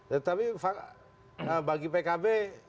tetapi bagi pkb